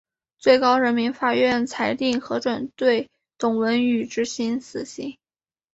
最高人民法院裁定核准对董文语执行死刑。